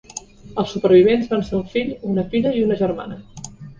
Els supervivents van ser un fill, una filla i una germana.